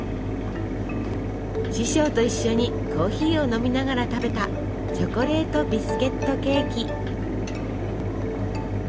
師匠と一緒にコーヒーを飲みながら食べたチョコレートビスケットケーキ。